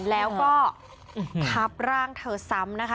แล้วก็ทับร่างเธอซ้ำนะคะ